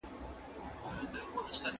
د ژبې تمرین ورځنی وساتئ.